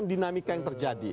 kan dinamika yang terjadi